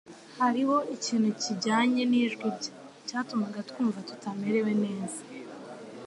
Hariho ikintu kijyanye nijwi rye cyatumaga twumva tutamerewe neza.